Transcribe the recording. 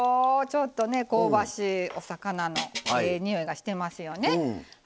ちょっとね香ばしいお魚のええにおいがしてますよね。